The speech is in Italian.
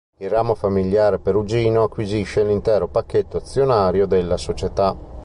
Il ramo familiare perugino acquisisce l'intero pacchetto azionario della società.